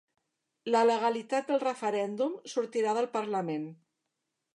La legalitat del referèndum sortirà del parlament